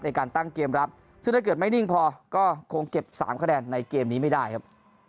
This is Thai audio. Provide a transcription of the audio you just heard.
ในการตั้งเกมรับซึ่งถ้าเกิดไม่นิ่งพอก็คงเก็บ๓คะแนนในเกมนี้ไม่ได้ครับ